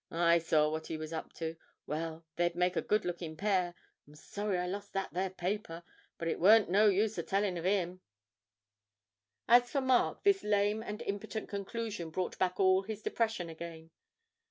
I saw what he was up to well, they'd make a good looking pair. I'm sorry I lost that there paper; but it warn't no use a tellin' of him.' As for Mark, this lame and impotent conclusion brought back all his depression again.